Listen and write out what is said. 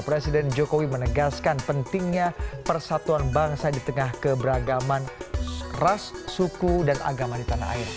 presiden jokowi menegaskan pentingnya persatuan bangsa di tengah keberagaman ras suku dan agama di tanah air